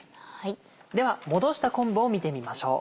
ではもどした昆布を見てみましょう。